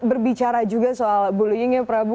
berbicara juga soal bullyingnya prabu